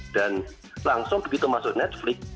dan langsung begitu masuk netflix